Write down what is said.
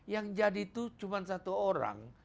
yang jadi itu cuma satu orang